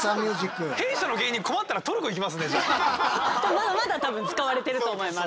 まだまだ多分使われてると思います。